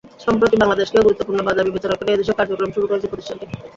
সম্প্রতি বাংলাদেশকেও গুরুত্বপূর্ণ বাজার বিবেচনা করে এদেশে কার্যক্রম শুরু করেছে প্রতিষ্ঠানটি।